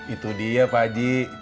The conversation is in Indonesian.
itu dia pak haji